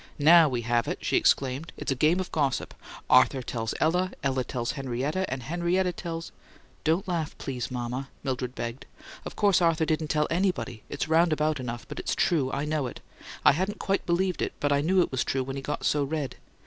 "Now we have it!" she exclaimed. "It's a game of gossip: Arthur tells Ella, Ella tells Henrietta, and Henrietta tells " "Don't laugh, please, mama," Mildred begged. "Of course Arthur didn't tell anybody. It's roundabout enough, but it's true. I know it! I hadn't quite believed it, but I knew it was true when he got so red.